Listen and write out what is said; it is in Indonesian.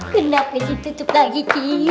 kenapa ditutup lagi cik